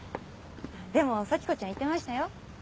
でも早季子ちゃん言ってましたよ。